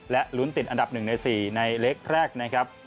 และลุ้นติดอันดับ๑ใน๔ในเล็กแรกนะครับ